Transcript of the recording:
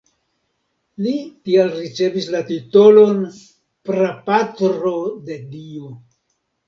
Li tial ricevis la titolon "prapatro de dio".